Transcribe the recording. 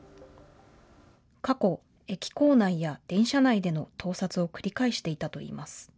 過去、駅構内や電車内での盗撮を繰り返していたといいます。